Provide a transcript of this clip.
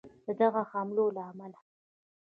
د دغه حملو له امله